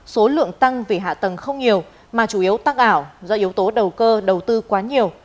số lượng tăng vì hạ tầng không nhiều mà chủ yếu tăng ảo do yếu tố đầu cơ đầu tư quá nhiều